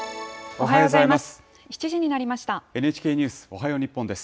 おはようございます。